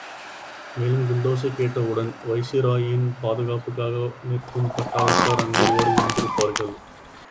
மேலும் குண்டோசைகேட்டவுடன் வைசிராயின் பாதுகாப்புக்காக நிற்கும் பட்டாளத்தார் அங்கு ஓடிவந்திருப்பார்கள்.